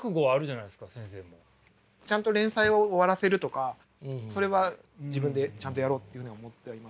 ちゃんと連載を終わらせるとかそれは自分でちゃんとやろうっていうふうには思ってはいますね。